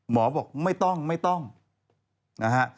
หมอบอกไม่ต้องนะฮะ